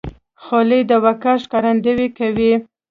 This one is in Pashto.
خولۍ د وقار ښکارندویي کوي.